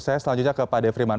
saya selanjutnya ke pak de vriemann